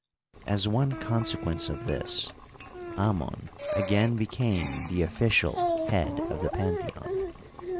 As one consequence of this, Amon again became the official head of the pantheon.